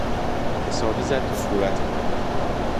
حسابی زد تو صورتم.